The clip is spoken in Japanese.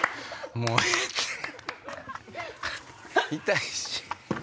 痛いし。